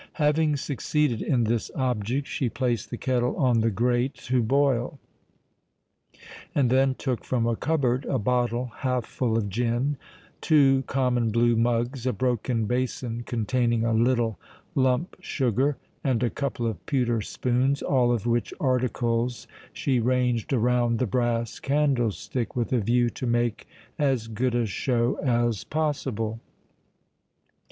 Having succeeded in this object, she placed the kettle on the grate to boil; and then took from a cupboard a bottle half full of gin, two common blue mugs, a broken basin containing a little lump sugar, and a couple of pewter spoons, all of which articles she ranged around the brass candle stick with a view to make as good a show as possible.